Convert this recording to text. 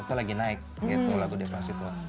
itu lagi naik gitu lagu di espasi itu